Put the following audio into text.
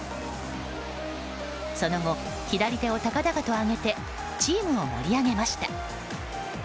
その後、左手を高々と上げてチームを盛り上げました。